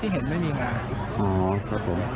ที่เห็นไม่มีงาน